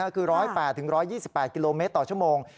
คือ๑๐๘๑๒๘กิโลเมตรต่อชั่วโมง